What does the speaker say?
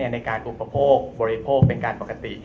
ในการอุปโภคบริโภคเป็นการปกติ